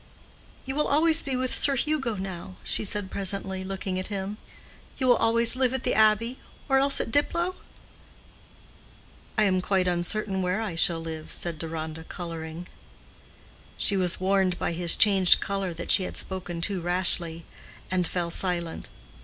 "You will always be with Sir Hugo now!" she said presently, looking at him. "You will always live at the Abbey—or else at Diplow?" "I am quite uncertain where I shall live," said Deronda, coloring. She was warned by his changed color that she had spoken too rashly, and fell silent.